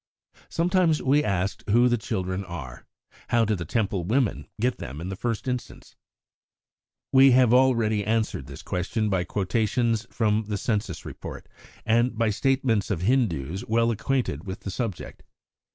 Sometimes we are asked who the children are. How do the Temple women get them in the first instance? We have already answered this question by quotations from the Census Report, and by statements of Hindus well acquainted with the subject.